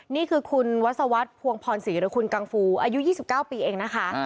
นี่คือคุณวัศวรรษภวงพรศรีหรือคุณกังฟูอายุ๒๙ปีเองนะคะ